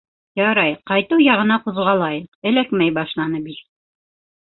Ярай, ҡайтыу яғына ҡуҙғалайыҡ, эләкмәй башланы бит.